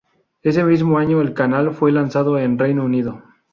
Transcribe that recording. Ese mismo año, el canal fue lanzado en Reino Unido.